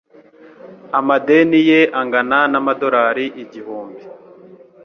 Amadeni ye angana n'amadorari igihumbi.